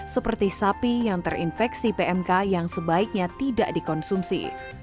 seperti sapi yang terinfeksi pmk yang sebaiknya tidak dikonsumsi